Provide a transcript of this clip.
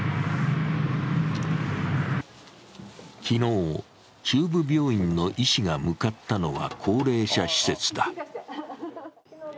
昨日、中部病院の医師が向かったのは高齢者施設だ。